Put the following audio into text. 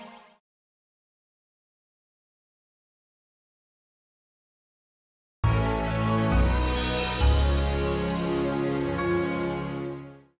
kekuatan gher prabu